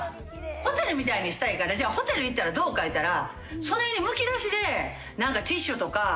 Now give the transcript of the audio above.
ホテルみたいにしたいからじゃあホテル行ったらどうかいうたら。